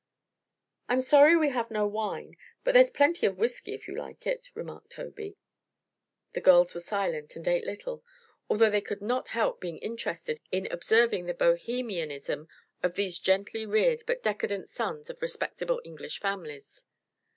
"I'm sorry we have no wine; but there's plenty of whiskey, if you like it," remarked Tobey. The girls were silent and ate little, although they could not help being interested in observing the bohemianism of these gently reared but decadent sons of respectable English families.